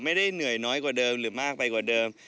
ไม่ได้เหนื่อยน้อยกว่าเดิมหรือมากไปกว่าเดิม